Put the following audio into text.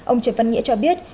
ông trần văn nghĩa cho biết